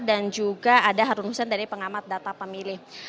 dan juga ada harun hussein dari pengamat data pemilih